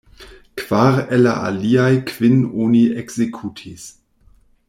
Kvar el la aliaj kvin oni ekzekutis.